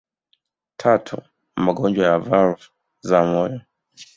Tatu magonjwa ya valvu za moyo